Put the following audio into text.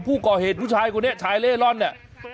ผู้ก่อเหตุผู้ชายคนนี้ชายเล่รอนเนี่ย